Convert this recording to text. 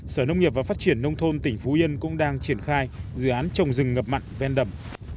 sở nông nghiệp và phát triển nông thôn tỉnh phú yên cũng đang triển khai dự án trồng rừng ngập mặn ven đầm